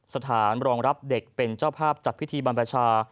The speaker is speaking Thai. สถานรองรับเด็กเป็นเจ้าภาพจัดพิธีบรรพชา